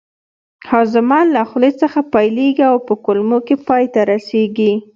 هاضمه له خولې څخه پیلیږي او په کولمو کې پای ته رسیږي